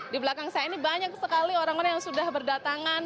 di belakang saya ini banyak sekali orang orang yang sudah berdatangan